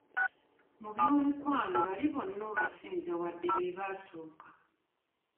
Mu by'omukwano bali bonna obasinze wadde be baasooka.